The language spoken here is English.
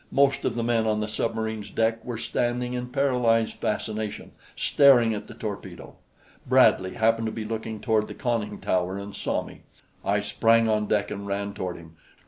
Most of the men on the submarine's deck were standing in paralyzed fascination, staring at the torpedo. Bradley happened to be looking toward the conning tower and saw me. I sprang on deck and ran toward him.